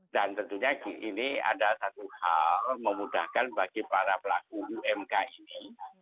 dan tentunya ini ada satu hal memudahkan bagi para pelaku umk ini